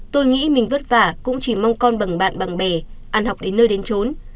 tôi nghĩ mình vất vả cũng chỉ mong con bằng bạn bằng bè ăn học đến nơi đến trốn